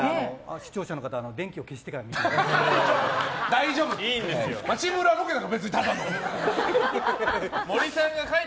視聴者の方は電気を消してから見てください。